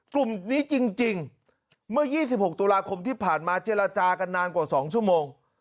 กลุ่มนี้จริงเมื่อ๒๖ตุลาคมที่ผ่านมาเจรจากันนานกว่า๒ชั่วโมง